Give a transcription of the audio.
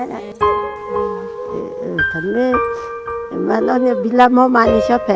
ถ้าเกิดมานั่งเนี่ยบิลละมองมาเนี่ยชอบแผ่